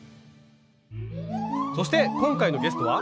そして今回のゲストは。